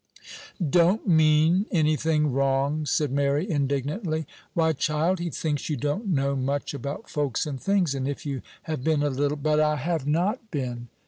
"Don't mean any thing wrong!" said Mary, indignantly. "Why, child, he thinks you don't know much about folks and things, and if you have been a little " "But I have not been.